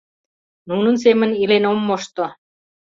Нунын семын илен ом мошто.